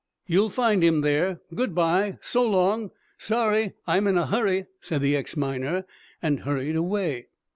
"You'll find him there! Good by! So long! Sorry I'm in a hurry," said the ex miner, and hurried away.